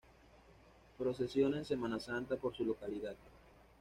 Procesiona en Semana Santa por su localidad.